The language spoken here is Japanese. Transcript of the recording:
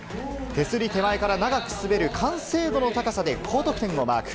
手すり手前から長く滑る完成度の高さで高得点をマーク。